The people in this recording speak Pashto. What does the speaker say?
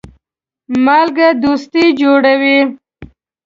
مالګه دوستي جوړوي.